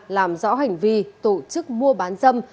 làm rõ hành vi tổ chức mua bán dâm